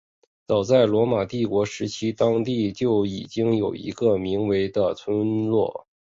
早在罗马帝国时期当地就已经有一个名为的村落。